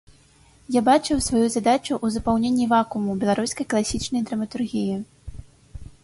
Я бачыў сваю задачу ў запаўненні вакууму ў беларускай класічнай драматургіі.